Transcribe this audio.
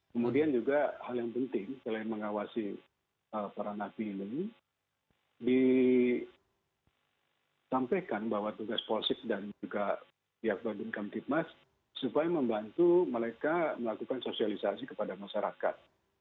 kemudian juga hal yang penting selain mengawasi para napi ini disampaikan bahwa tugas polsek dan juga pihak badun kamtipmas supaya membantu mereka melakukan sosialisasi kepada masyarakat